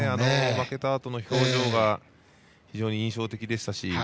負けたあとの表情が非常に印象的でしたし